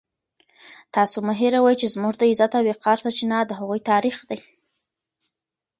تاسو مه هېروئ چې زموږ د عزت او وقار سرچینه د هغوی تاریخ دی.